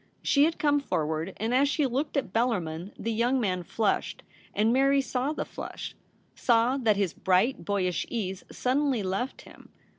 She had come forward, and as she looked at Bellarmin the young man flushed, and Mary saw the flush — saw that his bright boyish ease suddenly left him.